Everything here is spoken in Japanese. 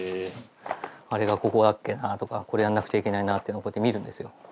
あれがここだっけなぁとかこれやんなくちゃいけないなってのこうやって見るんですよ。